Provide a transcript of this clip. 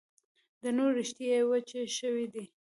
د نور، ریښې یې وچي شوي دي